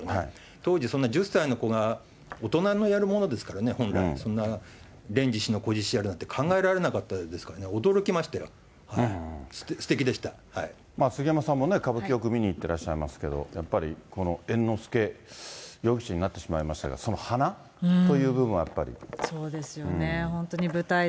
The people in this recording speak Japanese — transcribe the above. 当時そんな１０歳の子が、大人のやるものですからね、本来、そんな連獅子の子獅子役なんて考えられなかったですからね、驚き杉山さんもね、よく歌舞伎よく見に行ってらっしゃいますけど、やっぱり、この猿之助容疑者になってしまいましたが、そうですよね。